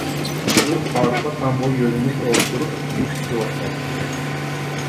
ئۇ ئارقا تامغا يۆلىنىپ ئولتۇرۇپ مېنى كۈتۈۋاتاتتى.